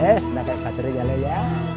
eh sudah kayak katernya leleh ya